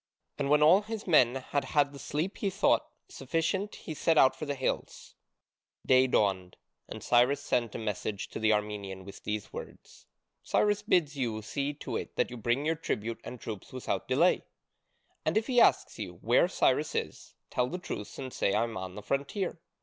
And when all his men had had the sleep he thought sufficient he set out for the hills. Day dawned, and Cyrus sent a messenger to the Armenian with these words: "Cyrus bids you see to it that you bring your tribute and troops without delay." "And if he asks you where Cyrus is, tell the truth and say I am on the frontier.